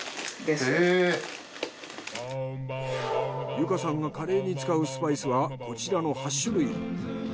有加さんがカレーに使うスパイスはこちらの８種類。